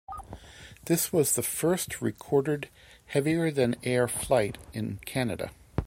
This was the first recorded heavier-than-air flight in Canada.